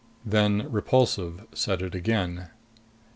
Then Repulsive said it again.